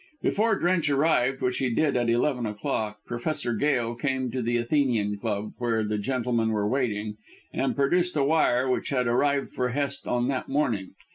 Before Drench arrived, which he did at eleven o'clock, Professor Gail came to the Athenian Cub, where the gentlemen were waiting, and produced a wire which had arrived for Hest on that morning.